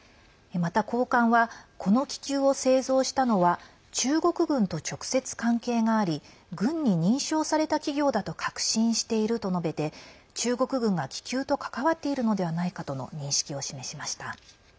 また、高官はこの気球を製造したのは中国軍と直接関係があり軍に認証された企業だと確信していると述べて中国軍が気球と関わっているのではないかとの認識を示しました。